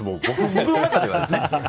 僕の中ではですね。